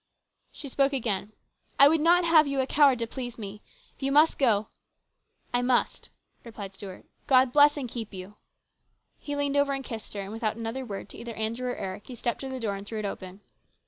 She spoke again. " I would not have you a coward to please me. If you must go "" I must," replied Stuart. " God bless and keep you." He leaned over and kissed her, and without another word to either Andrew or Eric he stepped to the door and threw it open.